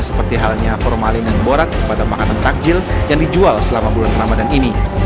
seperti halnya formalin dan boraks pada makanan takjil yang dijual selama bulan ramadan ini